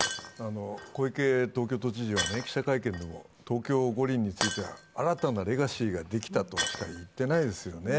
小池東京都知事は、記者会見でも東京五輪については、新たなレガシーができたとしか言っていないですよね。